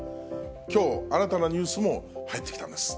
きょう新たなニュースも入ってきたんです。